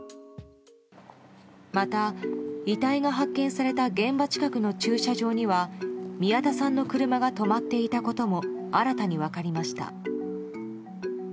また遺体が発見された現場近くの駐車場には宮田さんの車が止まっていたことも新たに分かりました。